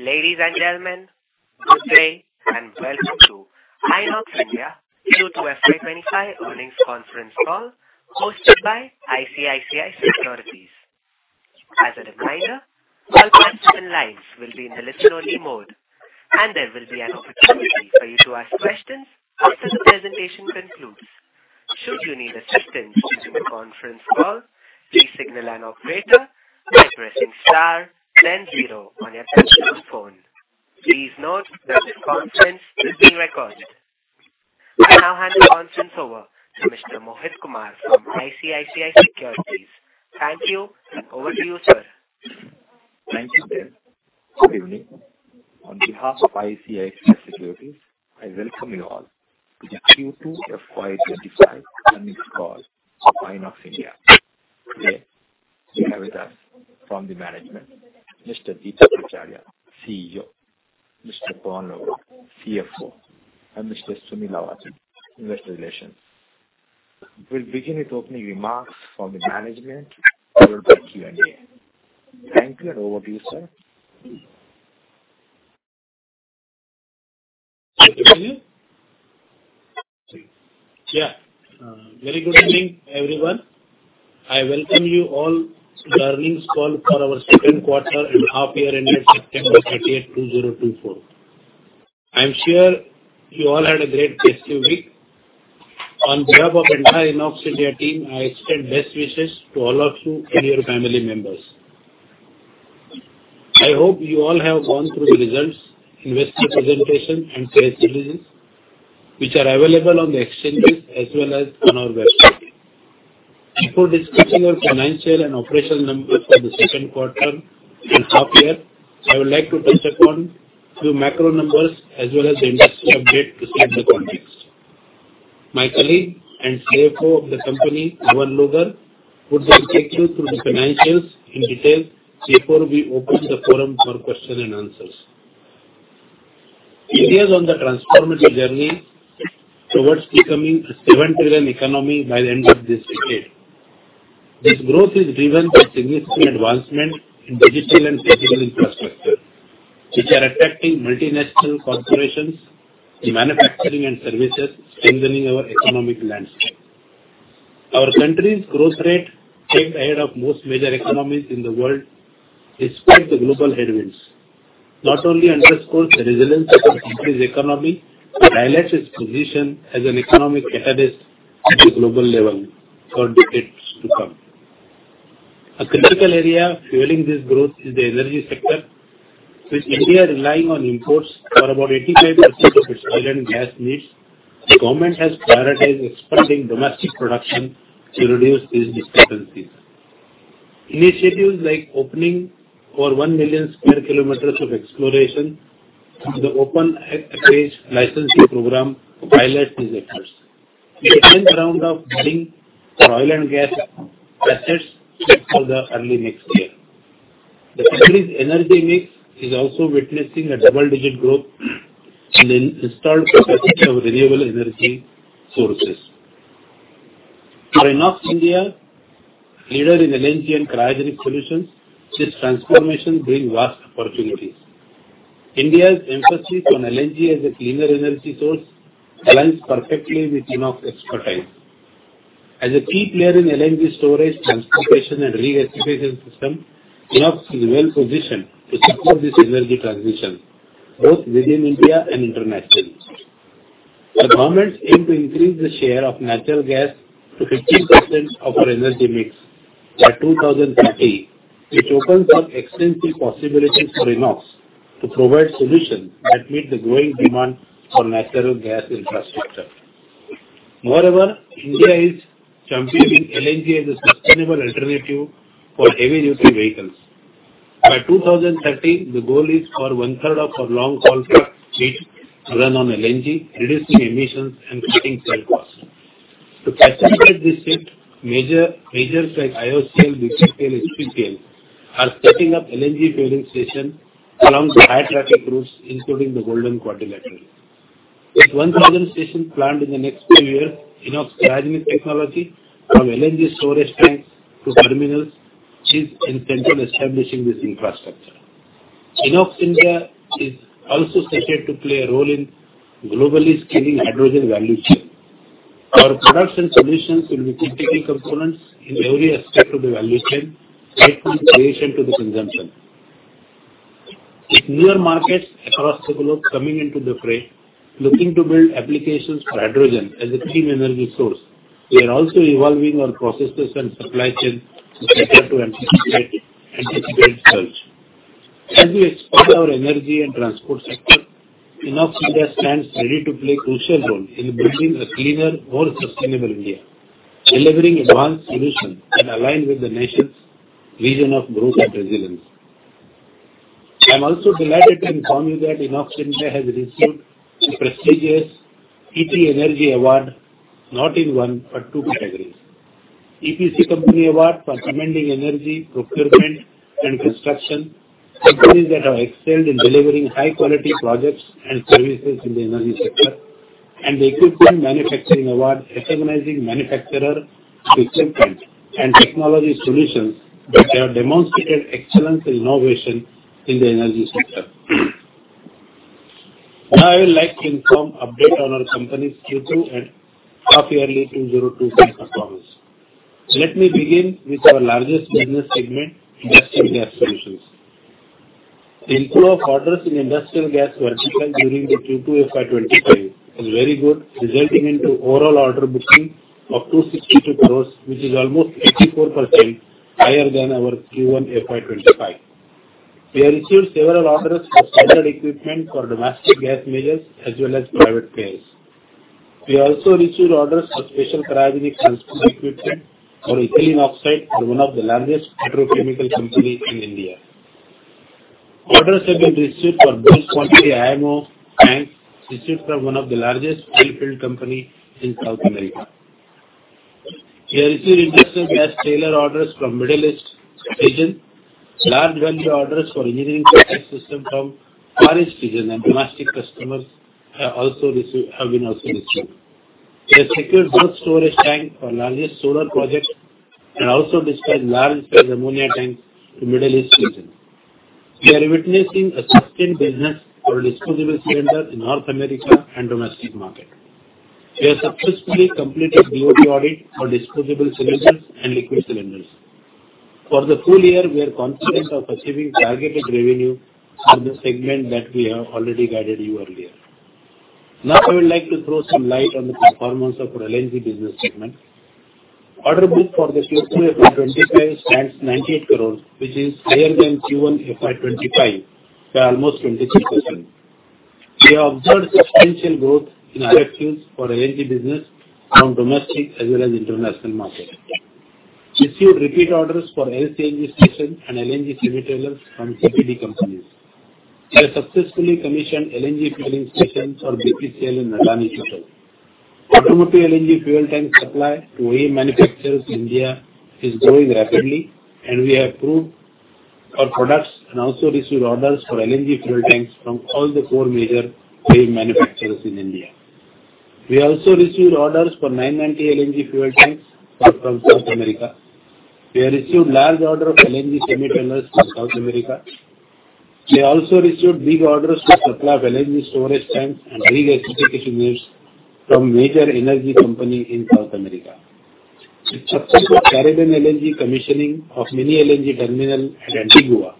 Ladies and gentlemen, good day and welcome to INOX India Q2 FY 2025 earnings conference call, hosted by ICICI Securities. As a reminder, all participant lines will be in the listen-only mode, and there will be an opportunity for you to ask questions after the presentation concludes. Should you need assistance during the conference call, please signal an operator by pressing star then zero on your telephone phone. Please note that this conference is being recorded. I now hand the conference over to Mr. Mohit Kumar from ICICI Securities. Thank you, and over to you, sir. Thank you, sir. Good evening. On behalf of ICICI Securities, I welcome you all to the Q2 FY 2025 earnings call of INOX India. Today, we have with us from the management, Mr. Deepak Acharya, CEO, Mr. Pavan Logar, CFO, and Mr. Sunil Awari, Investor Relations. We'll begin with opening remarks from the management, followed by Q&A. Thank you, and over to you, sir. Good afternoon. Very good evening, everyone. I welcome you all to the earnings call for our second quarter and half-year end date September 30, 2024. I'm sure you all had a great festive week. On behalf of the entire INOX India team, I extend best wishes to all of you and your family members. I hope you all have gone through the results, investor presentation, and press releases, which are available on the exchanges as well as on our website. Before discussing your financial and operational numbers for the second quarter and half-year, I would like to touch upon a few macro numbers as well as the industry update to set the context. My colleague and CFO of the company, Mr. Pavan Logar, would like to take you through the financials in detail before we open the forum for questions and answers. India is on the transformative journey towards becoming a seven-trillion economy by the end of this decade. This growth is driven by significant advancement in digital and physical infrastructure, which are attracting multinational corporations in manufacturing and services, strengthening our economic landscape. Our country's growth rate, kept ahead of most major economies in the world despite the global headwinds, not only underscores the resilience of the country's economy but highlights its position as an economic catalyst at the global level for decades to come. A critical area fueling this growth is the energy sector, with India relying on imports for about 85% of its oil and gas needs. The government has prioritized expanding domestic production to reduce these discrepancies. Initiatives like opening over 1 million square kilometers of exploration through the Open Acreage Licensing Policy highlight these efforts. The second round of bidding for oil and gas assets is for the early next year. The country's energy mix is also witnessing a double-digit growth in the installed capacity of renewable energy sources. For INOX India, leader in LNG and cryogenic solutions, this transformation brings vast opportunities. India's emphasis on LNG as a cleaner energy source aligns perfectly with INOX expertise. As a key player in LNG storage, transportation, and recirculation system, INOX is well-positioned to support this energy transition, both within India and internationally. The government aims to increase the share of natural gas to 15% of our energy mix by 2030, which opens up extensive possibilities for INOX to provide solutions that meet the growing demand for natural gas infrastructure. Moreover, India is championing LNG as a sustainable alternative for heavy-duty vehicles. By 2030, the goal is for one-third of our long-haul trucks need to run on LNG, reducing emissions and cutting fuel costs. To facilitate this shift, measures like IOCL, BPCL, and HPCL are setting up LNG fueling stations alongside high-traffic routes, including the Golden Quadrilateral. With 1,000 stations planned in the next few years, INOX cryogenic technology from LNG storage tanks to terminals is essential in establishing this infrastructure. INOX India is also set to play a role in globally scaling hydrogen value chain. Our production solutions will be critical components in every aspect of the value chain, right from creation to the consumption. With newer markets across the globe coming into the fray, looking to build applications for hydrogen as a clean energy source, we are also evolving our processes and supply chain to better anticipate the surge. As we expand our energy and transport sector, INOX India stands ready to play a crucial role in building a cleaner, more sustainable India, delivering advanced solutions that align with the nation's vision of growth and resilience. I'm also delighted to inform you that INOX India has received the prestigious ET Energy Award, not in one but two categories: EPC Company Award for engineering, procurement, and construction companies that have excelled in delivering high-quality projects and services in the energy sector, and the Equipment Manufacturing Award recognizing manufacturers' equipment and technology solutions that have demonstrated excellence and innovation in the energy sector. Now, I would like to inform you about our company's Q2 and half-yearly 2023 performance. Let me begin with our largest business segment, Industrial Gas Solutions. The inflow of orders in industrial gas vertical during the Q2 FY2023 was very good, resulting in overall order booking of 262 crores, which is almost 84% higher than our Q1 FY2025. We have received several orders for standard equipment for domestic gas majors as well as private players. We also received orders for special cryogenic transport equipment for ethylene oxide from one of the largest petrochemical companies in India. Orders have been received for bulk quantity IMO tanks received from one of the largest oil field companies in South America. We have received industrial gas trailer orders from the Middle East region, large value orders for engineering systems from the Far East region, and domestic customers have been also received. We have secured bulk storage tanks for the largest solar project and also dispatched large-sized ammonia tanks to the Middle East region. We are witnessing a sustained business for disposable cylinders in North America and the domestic market. We have successfully completed the DOT audit for disposable cylinders and liquid cylinders. For the full year, we are confident of achieving targeted revenue for the segment that we have already guided you earlier. Now, I would like to throw some light on the performance of our LNG business segment. The order book for the Q2 20% stands 98 crores, which is higher than Q1 FY2025 by almost 23%. We have observed substantial growth in RFQs for LNG business from the domestic as well as international market. We received repeat orders for LCNG stations and LNG semi-trailers from OMC companies. We have successfully commissioned LNG fueling stations for BPCL and Adani, Chittorgarh. Automotive LNG fuel tanks supply to OEM manufacturers in India is growing rapidly, and we have approved our products and also received orders for LNG fuel tanks from all the four major OEM manufacturers in India. We also received orders for 990 LNG fuel tanks from South America. We have received a large order for LNG semi-trailers from South America. We also received big orders for the supply of LNG storage tanks and recirculation units from major energy companies in South America. With successful Caribbean LNG commissioning of a mini LNG terminal at Antigua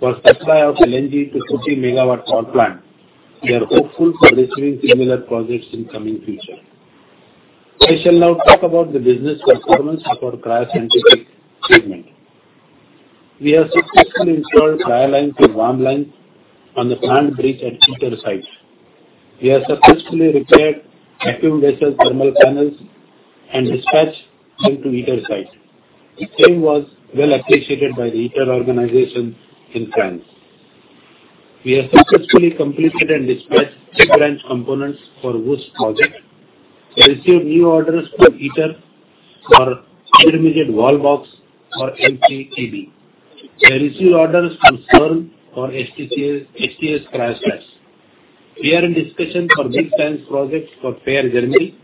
for supply of LNG to the 50-megawatt power plant, we are hopeful for receiving similar projects in the coming future. I shall now talk about the business performance of our Cryoscientific segment. We have successfully installed cryolines and warmlines on the plant bridge at ITER site. We have successfully repaired vacuum vessel thermal panels and dispatched them to ITER site. The same was well appreciated by the ITER organization in France. We have successfully completed and dispatched two branch components for the WOS project. We received new orders from ITER for intermediate valve box for LHeB. We have received orders from CERN for HTS cryostats. We are in discussion for big tanks projects for FAIR Germany.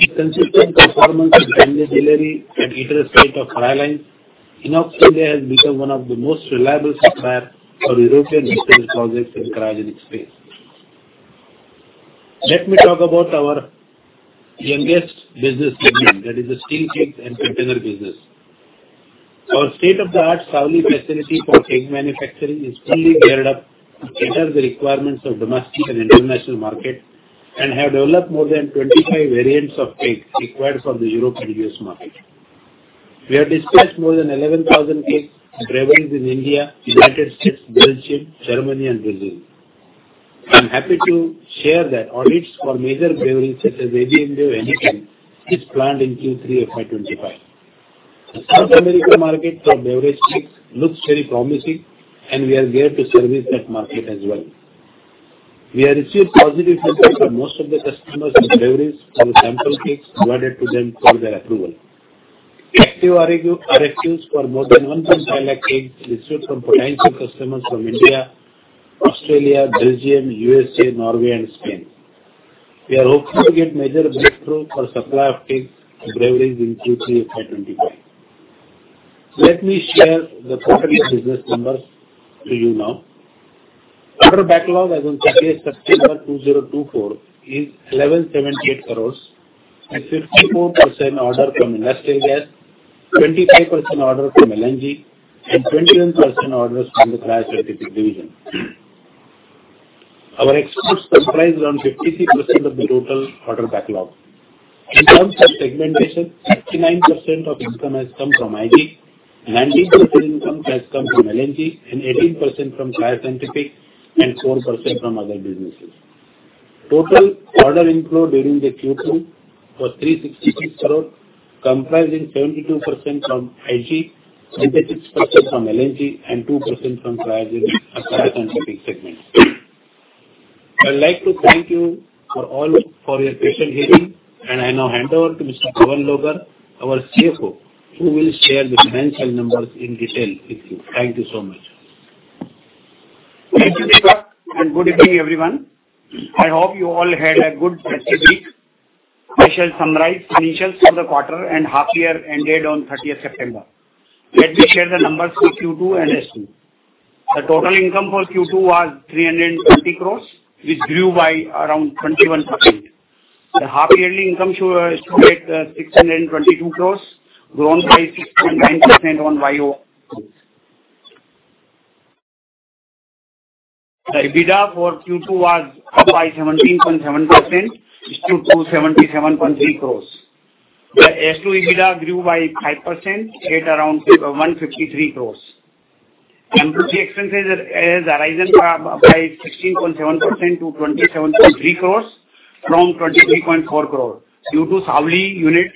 With consistent performance of LNG delivery at ITER site of cryolines, INOX India has become one of the most reliable suppliers for European research projects in the cryogenic space. Let me talk about our youngest business segment, which is the steel kegs and container business. Our state-of-the-art Savli facility for keg manufacturing is fully geared up to cater to the requirements of the domestic and international market and has developed more than 25 variants of kegs required for the Europe and U.S. market. We have dispatched more than 11,000 kegs to breweries in India, the United States, Belgium, Germany, and Brazil. I'm happy to share that audits for major breweries such as AB InBev and Heineken are planned in Q3 FY2025. The South America market for brewery kegs looks very promising, and we are geared to service that market as well. We have received positive feedback from most of the customers of the breweries for the sample kegs provided to them for their approval. We have active RFQs for more than 1.5 lakh kegs received from potential customers from India, Australia, Belgium, the U.S.A., Norway, and Spain. We are hopeful to get major breakthroughs for the supply of kegs to breweries in Q3 FY2025. Let me share the quarterly business numbers with you now. Order backlog as of today, September 2024, is 1,178 crores, with 54% orders from industrial gas, 25% orders from LNG, and 21% orders from the cryoscientific division. Our exports comprise around 53% of the total order backlog. In terms of segmentation, 69% of income has come from IG, 19% income has come from LNG, and 18% from cryoscientific, and 4% from other businesses. Total order inflow during the Q2 was 366 crores, comprising 72% from IG, 26% from LNG, and 2% from cryoscientific segment. I would like to thank you all for your patient hearing, and I now hand over to Mr. Pavan Logar, our CFO, who will share the financial numbers in detail with you. Thank you so much. Thank you, Deepak, and good evening, everyone. I hope you all had a good rest of the week. I shall summarize financials for the quarter and half-year ended on 30th September. Let me share the numbers for Q2 and H1. The total income for Q2 was 320 crores, which grew by around 21%. The half-yearly income showed 622 crores, grown by 6.9% on YoY. The EBITDA for Q2 was up by 17.7%, which is 277.3 crores. The H1 EBITDA grew by 5%, at around 153 crores. Employee expenses have risen by 16.7% to 27.3 crores, from 23.4 crores, due to Savli units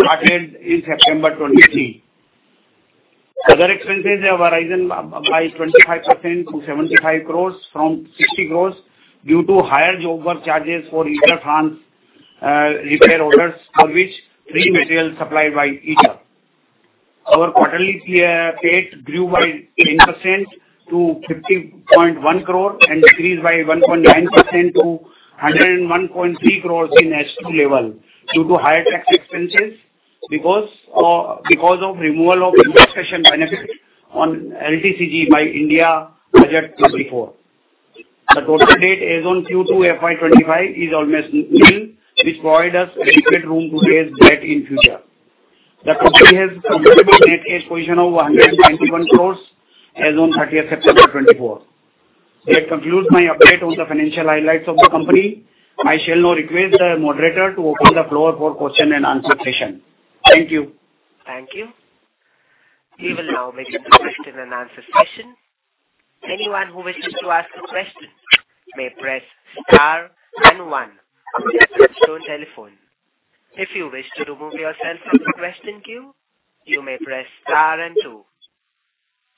started in September 2023. Other expenses have risen by 25% to 75 crores, from 60 crores, due to higher overheads for ITER France repair orders, for which free material was supplied by ITER. Our quarterly PAT grew by 10% to 50.1 crores and decreased by 1.9% to 101.3 crores in H1 level, due to higher tax expenses because of removal of discretionary benefits on LTCG by Indian Budget 2024. The total debt as of Q2 FY2025 is almost nil, which provides us adequate room to raise debt in the future. The company has a net cash position of 191 crores as of 30th September 2024. That concludes my update on the financial highlights of the company. I shall now request the moderator to open the floor for question and answer session. Thank you. Thank you. We will now begin the question and answer session. Anyone who wishes to ask a question may press Star and one on the touchtone telephone. If you wish to remove yourself from the question queue, you may press Star and two.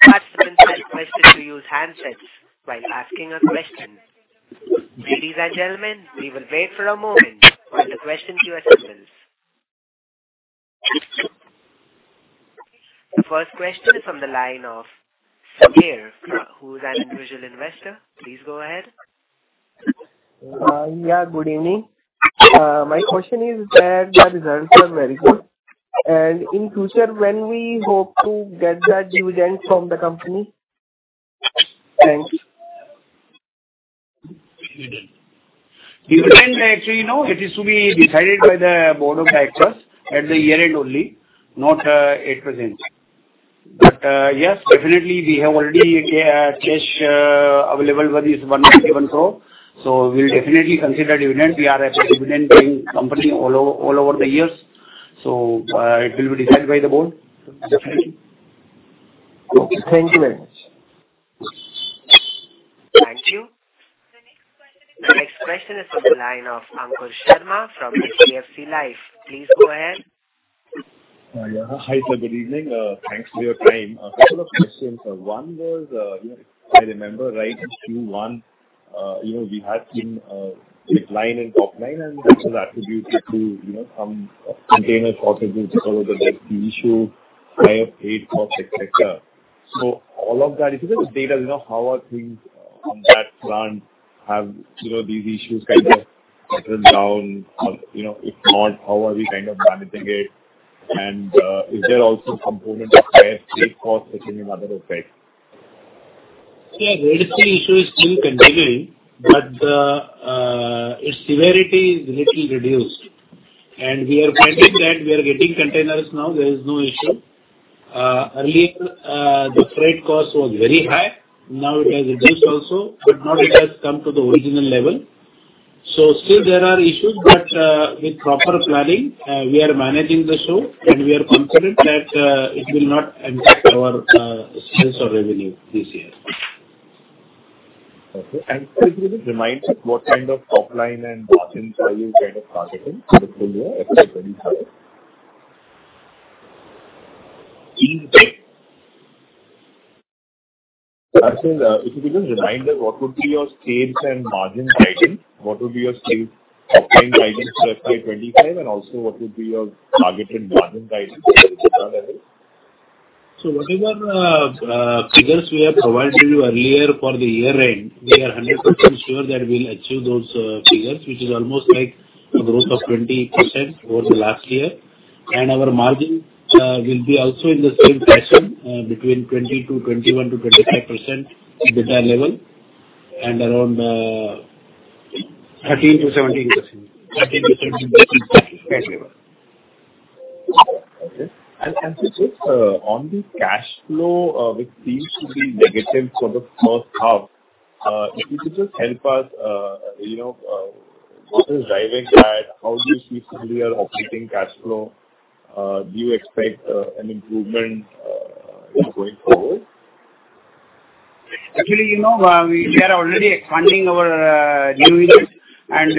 Participants may request that you use handsets while asking a question. Ladies and gentlemen, we will wait for a moment while the question queue assembles. The first question is from the line of Sameer, who is an individual investor. Please go ahead. Yeah, good evening. My question is that the results were very good, and in the future, when do we hope to get that dividend from the company? Thanks. Dividend, actually, it is to be decided by the board of directors at the year-end only, not at present. But yes, definitely, we have already cash available for this 191 crores, so we will definitely consider dividend. We are a dividend-paying company all over the years, so it will be decided by the board. Thank you. Okay, thank you very much. Thank you. The next question is from the line of Ankur Sharma from HDFC Life. Please go ahead. Hi, sir. Good evening. Thanks for your time. A couple of questions. One was, if I remember right, Q1, we had seen decline in top line and some attributed to some container shortages because of the issue of higher freight costs, etc. So all of that, if you look at the data, how are things on that front? Have these issues kind of settled down? If not, how are we kind of managing it? And is there also a component of higher freight costs taking another effect? Yeah, the issue is still continuing, but its severity is a little reduced. And we are finding that we are getting containers now. There is no issue. Earlier, the freight cost was very high. Now it has reduced also, but not yet come to the original level. So still, there are issues, but with proper planning, we are managing the show, and we are confident that it will not impact our sales or revenue this year. Okay. And could you remind us what kind of top line and margins are you kind of targeting for the full year FY2025? Please, Dev. If you could just remind us, what would be your sales and margin guidance? What would be your sales top line guidance for FY2025? And also, what would be your targeted margin guidance at the current level? So whatever figures we have provided to you earlier for the year-end, we are 100% sure that we will achieve those figures, which is almost like a growth of 20% over the last year. Our margin will be also in the same fashion, between 20% to 21% to 25% at that level, and around 13% to 17% at that level. Okay. And on the cash flow, which seems to be negative for the first half, if you could just help us, what is driving that? How do you see we are operating cash flow? Do you expect an improvement going forward? Actually, we are already expanding our new units, and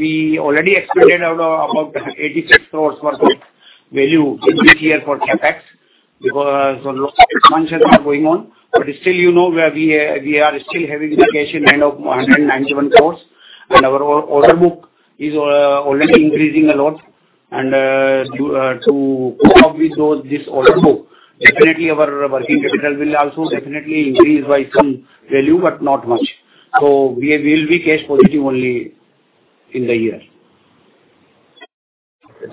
we already expected about 86 crores' worth of value this year for CapEx because a lot of expansions are going on. But still, we are still having a net cash end of 191 crores, and our order book is already increasing a lot. To keep up with this order book, definitely, our working capital will also definitely increase by some value, but not much. So we will be cash positive only in the year.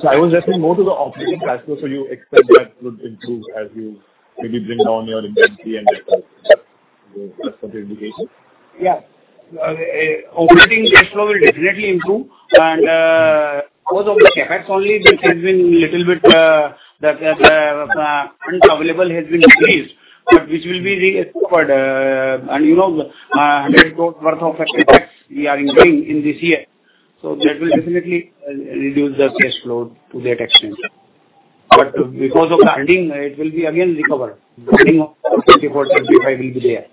So I was asking more to the operating cash flow, so you expect that to improve as you maybe bring down your intensity and expectations? Yeah. Operating cash flow will definitely improve. And because of the CapEx only, which has been a little bit unavailable, has been increased, but which will be recovered. And 100 crores worth of CapEx we are incurring in this year. So that will definitely reduce the cash flow to that extent. But because of the funding, it will be again recovered. The funding of 2024-25 will be there.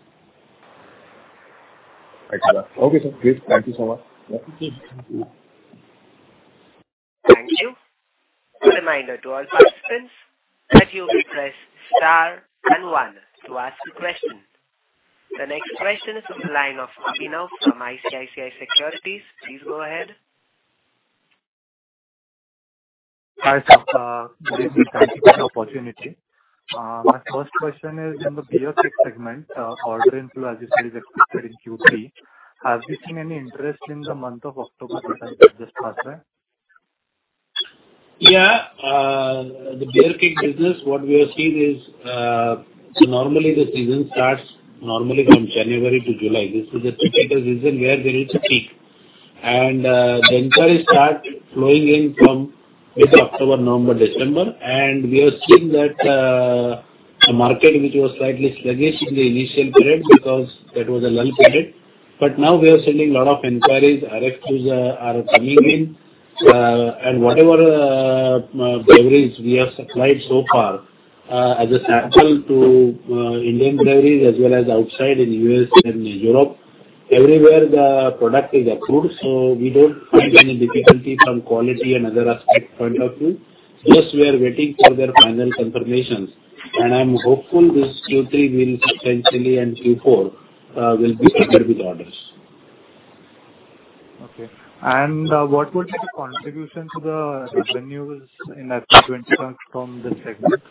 Okay, sir. Great. Thank you so much. Thank you. A reminder to all participants that you will press Star and one to ask a question. The next question is from the line of Mohit from ICICI Securities. Please go ahead. Hi, sir. Good evening. Thank you for the opportunity. My first question is in the beer keg segment, order inflow, as you said, is expected in Q3. Have you seen any interest in the month of October since it just passed? Yeah. The beer keg business, what we are seeing is normally the season starts from January to July. This is a typical season where there is a peak. The inquiries start flowing in from mid-October, November, December. We are seeing that the market, which was slightly sluggish in the initial period because that was a lull period. But now we are seeing a lot of inquiries. RFQs are coming in. Whatever breweries we have supplied so far as a sample to Indian breweries as well as outside in the U.S. and Europe, everywhere the product is approved. We don't find any difficulty from quality and other aspect point of view. Just we are waiting for their final confirmations. And I'm hopeful this Q3 will substantially and Q4 will be better with orders. Okay. And what would be the contribution to the revenues in FY2025 from this segment?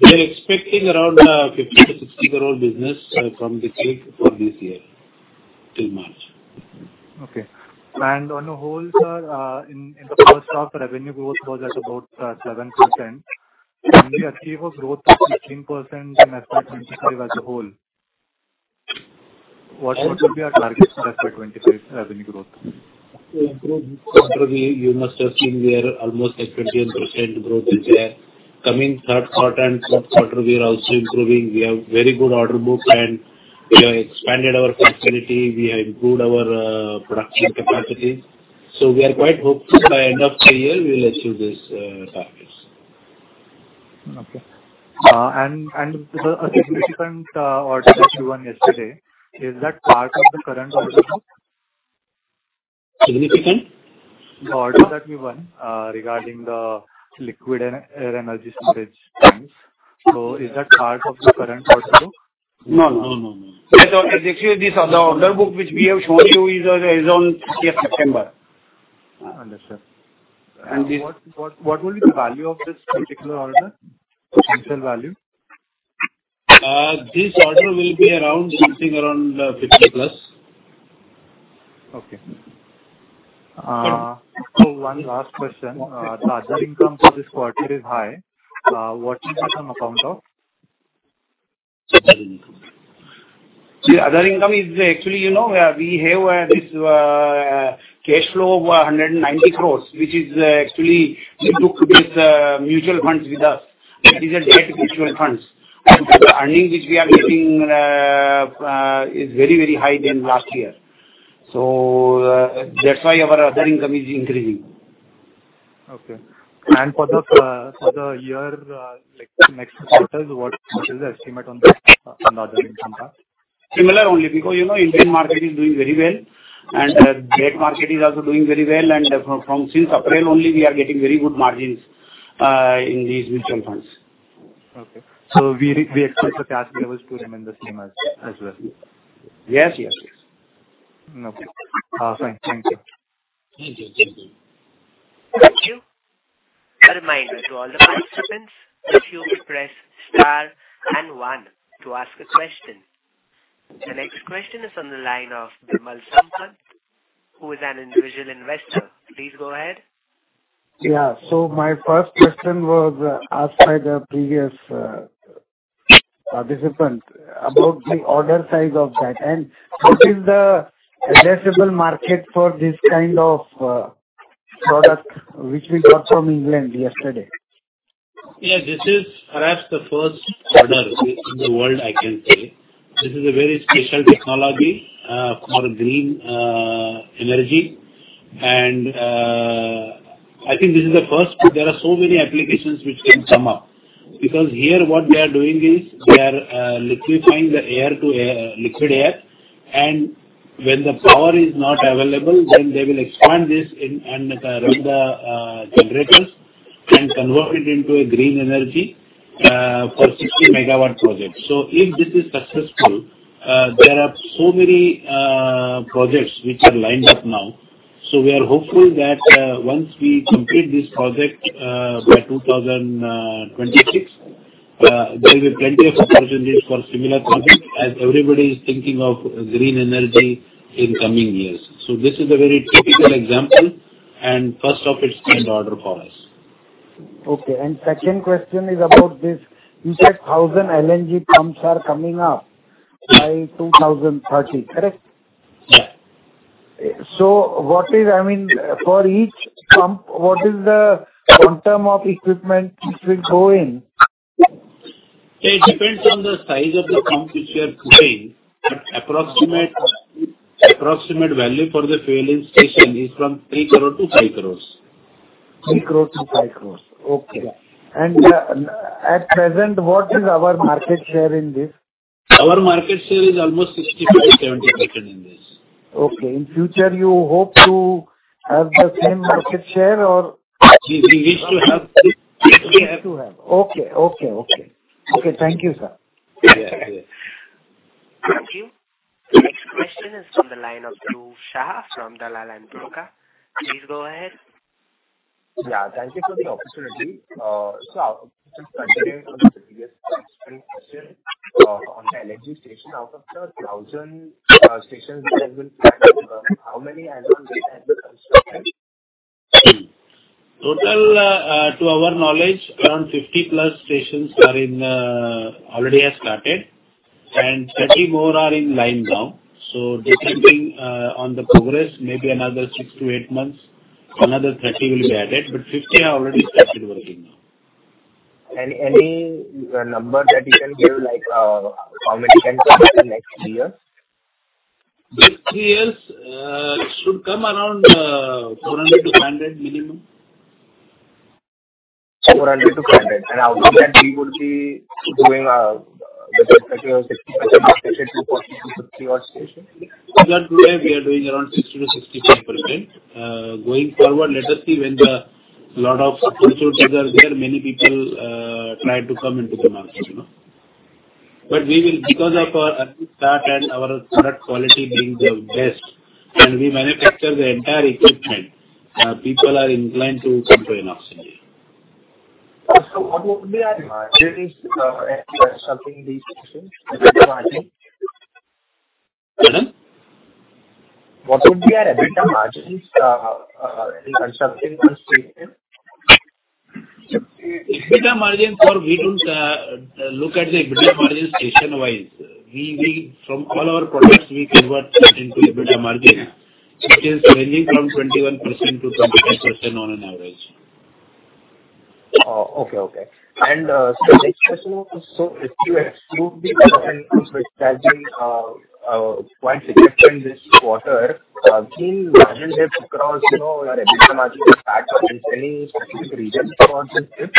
We are expecting around 50-60 crore business from the keg for this year till March. Okay. And on a whole, sir, in the first half, revenue growth was at about 7%. Can we achieve a growth of 15% in FY2025 as a whole? What would be our target for FY2025 revenue growth? To improve quarterly, you must have seen we are almost at 21% growth this year. Coming third quarter and fourth quarter, we are also improving. We have very good order book, and we have expanded our facility. We have improved our production capacity. So we are quite hopeful by end of the year we will achieve these targets. Okay. And the significant order that we won yesterday, is that part of the current order book? Significant? The order that we won regarding the LNG and energy storage tanks. So is that part of the current order book? No, no, no, no. So actually, the order book which we have shown you is on 30th September. Understood. And what will be the value of this particular order? INR value? This order will be around something around 50 plus. Okay. One last question. The other income for this quarter is high. What is that on account of? The other income is actually we have this cash flow of 190 crores, which is actually we took these mutual funds with us. It is a debt mutual fund. The earnings which we are getting is very, very high than last year. So that's why our other income is increasing. Okay. And for the year, next quarter, what is the estimate on the other income part? Similar only because Indian market is doing very well, and the debt market is also doing very well. And since April only, we are getting very good margins in these mutual funds. Okay. So we expect the cash levels to remain the same as well? Yes, yes, yes. Okay. Fine. Thank you. Thank you. Thank you. Thank you. A reminder to all the participants, if you will press Star and 1 to ask a question. The next question is from the line of Bimal Sampat, who is an individual investor. Please go ahead. Yeah. So my first question was asked by the previous participant about the order size of that. What is the addressable market for this kind of product which we got from England yesterday? Yeah. This is perhaps the first order in the world, I can say. This is a very special technology for green energy. I think this is the first. There are so many applications which can come up. Because here, what they are doing is they are liquefying the liquid air. When the power is not available, then they will expand this and run the generators and convert it into a green energy for 60-megawatt projects. If this is successful, there are so many projects which are lined up now. We are hopeful that once we complete this project by 2026, there will be plenty of opportunities for similar projects as everybody is thinking of green energy in coming years. This is a very typical example and first of its kind order for us. Okay. And second question is about this. You said 1,000 LNG pumps are coming up by 2030, correct? Yeah. So what is, I mean, for each pump, what is the quantum of equipment which will go in? It depends on the size of the pump which you are putting. But approximate value for the fueling station is from 3 crores to 5 crores. 3 crores to 5 crores. Okay. And at present, what is our market share in this? Our market share is almost 65%-70% in this. Okay. In future, you hope to have the same market share or? We wish to have. Wish to have. Okay, okay, okay. Okay. Thank you, sir. Yeah, yeah. Thank you. The next question is from the line of Dhruv Shah from Dalal and Broacha. Please go ahead. Yeah. Thank you for the opportunity. So since I started on the previous question on the LNG station, out of the 1,000 stations that you will plant, how many have you constructed? Total, to our knowledge, around 50-plus stations already have started. And 30 more are in line now. So depending on the progress, maybe another 6-8 months, another 30 will be added. But 50 have already started working now. Any number that you can give, like how many can come in the next three years? The three years should come around 400-500 minimum. 400-500. And out of that, we would be doing with respect to 60%, let's say 240-250 or so. We are doing around 60-65%. Going forward, let us see when a lot of opportunities are there, many people try to come into the market. But because of our start and our product quality being the best, and we manufacture the entire equipment, people are inclined to come to INOX India. So what would be your average revenue in recent years? Pardon? What would be your EBITDA margins in recent years? EBITDA margins for we don't look at the EBITDA margin station-wise. From all our products, we convert into EBITDA margin, which is ranging from 21%-25% on an average. Okay, okay. And so the next question is, so if you exclude the other income which has been quite significant this quarter, have you seen margin dips across your EBITDA margin compared to any specific region for this year?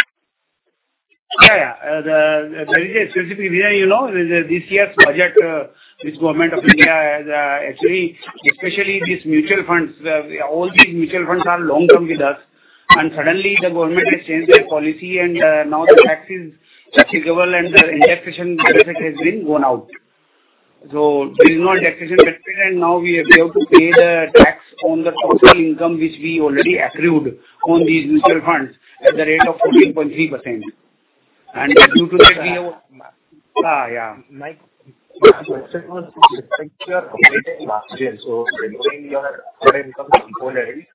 Yeah, yeah. There is a specific reason. This year's budget, which the government of India has actually, especially these mutual funds, all these mutual funds are long-term with us. Suddenly, the government has changed their policy, and now the tax is applicable, and the indexation benefit has been gone out. There is no indexation benefit, and now we have to pay the tax on the total income which we already accrued on these mutual funds at the rate of 14.3%. Due to that, we have a. My question was to think you are completing last year. You're doing your income quarterly.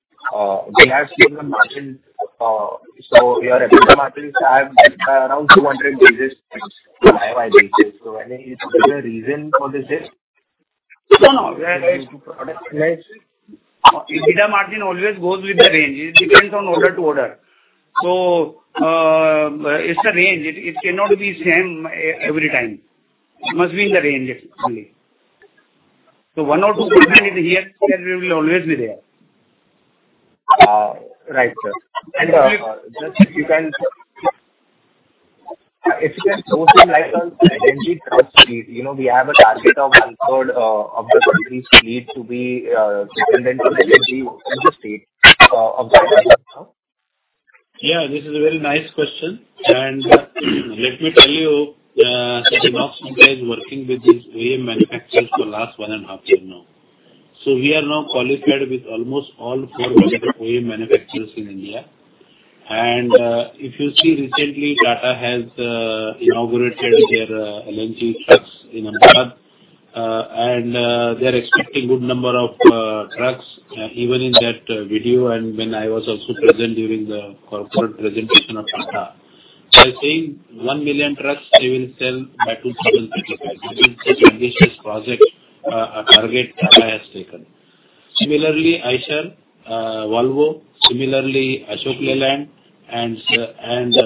We have seen the margin. Your EBITDA margins have been around 200 basis points, YoY basis. Any particular reason for this range? No, no. EBITDA margin always goes with the range. It depends on order to order. It's a range. It cannot be the same every time. It must be in the range only. 1%-2% is here, and it will always be there. Right, sir. If you can go through like an LNG truck fleet, we have a target of one-third of the country's fleet to be dependent on LNG in the state of Dalal & Broacha. Yeah. This is a very nice question. Let me tell you, INOX India is working with these OEM manufacturers for the last one and a half year now. So we are now qualified with almost all four OEM manufacturers in India. If you see, recently, Tata has inaugurated their LNG trucks in Ahmedabad. They are expecting a good number of trucks, even in that venue and when I was also present during the corporate presentation of Tata. They are saying 1 million trucks they will sell by 2035. This is the ambitious project, a target Tata has taken. Similarly, Eicher, Volvo, similarly, Ashok Leyland, and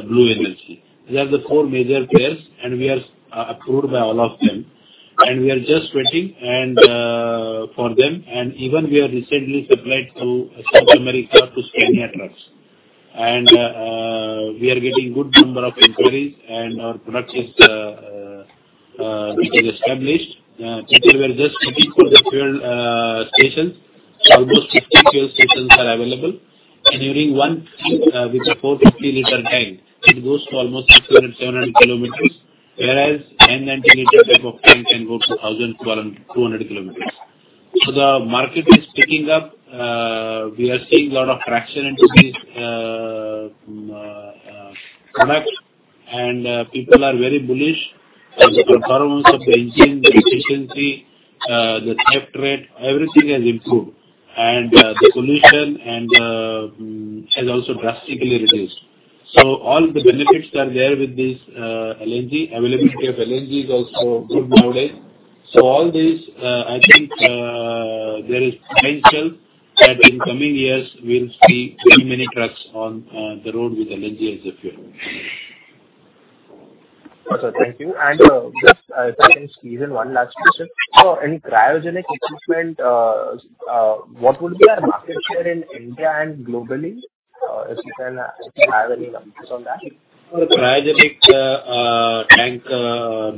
Blue Energy Motors. These are the four major players, and we are approved by all of them. And we are just waiting for them. And even we have recently supplied to South America to Scania trucks. And we are getting a good number of inquiries, and our product is being established. People were just looking for the fuel stations. Almost 50 fuel stations are available. And during one fill with a 450-liter tank, it goes to almost 600-700 kilometers, whereas a 90-liter type of tank can go to 1,200 kilometers. So the market is picking up. We are seeing a lot of traction and decreased product. And people are very bullish. The performance of the engine, the efficiency, the theft rate, everything has improved. And the pollution has also drastically reduced. So all the benefits are there with this LNG. Availability of LNG is also good nowadays. So all these, I think there is potential that in coming years, we'll see many, many trucks on the road with LNG as a fuel. Okay. Thank you. And just a second, Steven, one last question. For any cryogenic equipment, what would be our market share in India and globally? If you can have any numbers on that. For the cryogenic tank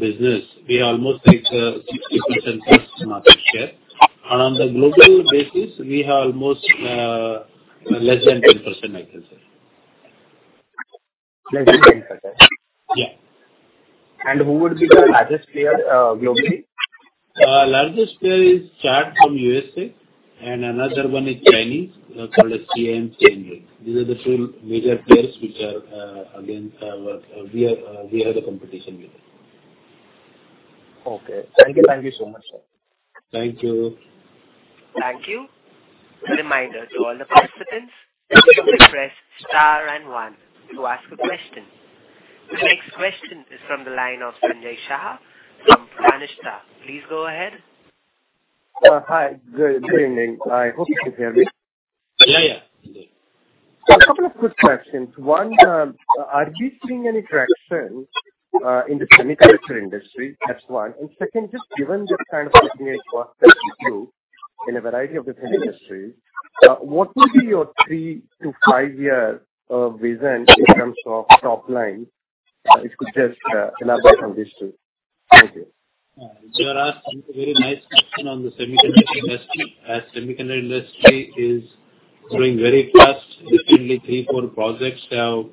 business, we are almost like 60% plus market share. And on the global basis, we have almost less than 10%, I can say. Less than 10%? Yeah. And who would be the largest player globally? Largest player is Chart from U.S.A., and another one is Chinese, called CIMC Enric. These are the two major players which are against where we have the competition with. Okay. Thank you. Thank you so much, sir. Thank you. Thank you. A reminder to all the participants, please press Star and one to ask a question. The next question is from the line of Sanjay Shah from Pratishtha. Please go ahead. Hi. Good evening. I hope you can hear me. Yeah, yeah. So a couple of quick questions. One, are you seeing any traction in the semiconductor industry? That's one. And second, just given the kind of looking at what that includes in a variety of different industries, what would be your three- to five-year vision in terms of top line? If you could just elaborate on these two. Thank you. You are asking a very nice question on the semiconductor industry. As semiconductor industry is growing very fast, recently, three, four projects have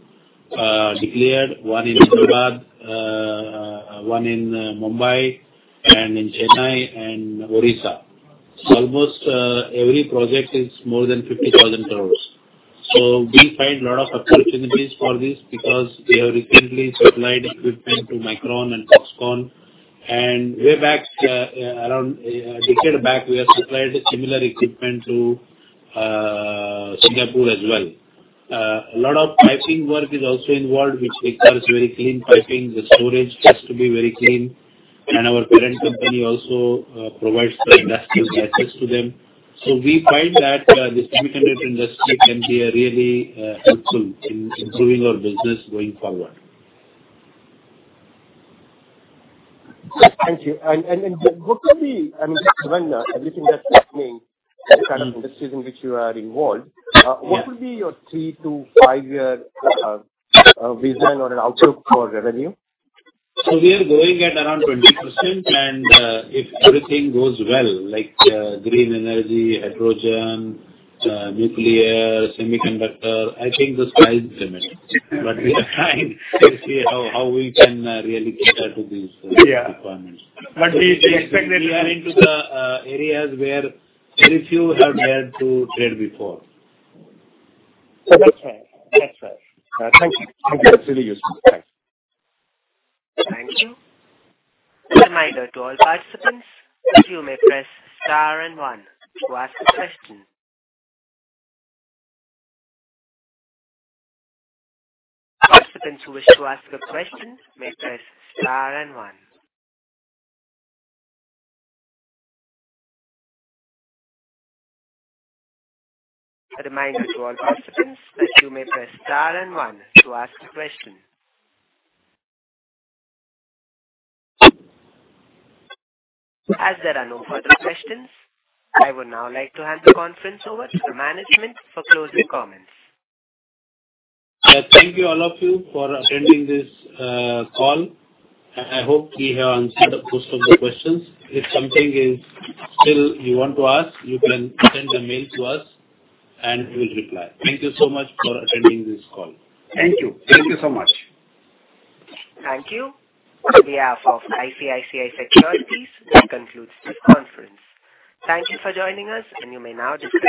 declared, one in Ahmedabad, one in Mumbai, and in Chennai and Odisha. Almost every project is more than 50,000 crores. So we find a lot of opportunities for this because we have recently supplied equipment to Micron and Foxconn. And way back, around a decade back, we have supplied similar equipment to Singapore as well. A lot of piping work is also involved, which requires very clean piping. The storage has to be very clean. And our current company also provides industrial access to them. So we find that the semiconductor industry can be really helpful in improving our business going forward. Thank you. And what would be, I mean, given everything that's happening, the kind of industries in which you are involved, what would be your three- to five-year vision or an outlook for revenue? So we are going at around 20%. And if everything goes well, like green energy, hydrogen, nuclear, semiconductor, I think the sky's the limit. But we are trying to see how we can really cater to these requirements. Yeah. But we expect that you are into the areas where very few have dared to trade before. So that's fair. That's fair. Thank you. Thank you. That's really useful. Thanks. Thank you. A reminder to all participants that you may press Star and one to ask a question. Participants who wish to ask a question may press Star and one. A reminder to all participants that you may press Star and one to ask a question. As there are no further questions, I would now like to hand the conference over to the management for closing comments. Thank you, all of you, for attending this call. I hope we have answered most of the questions. If something is still you want to ask, you can send a mail to us, and we'll reply. Thank you so much for attending this call. Thank you. Thank you so much. Thank you. On behalf of ICICI Securities, we conclude this conference. Thank you for joining us, and you may now disconnect.